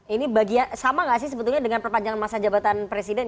ini sama nggak sih sebetulnya dengan perpanjangan masa jabatan presiden